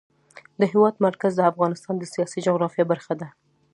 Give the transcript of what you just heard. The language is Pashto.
د هېواد مرکز د افغانستان د سیاسي جغرافیه برخه ده.